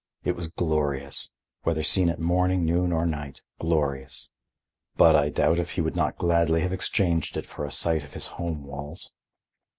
It was glorious; whether seen at morning, noon or night, glorious. But I doubt if he would not gladly have exchanged it for a sight of his home walls.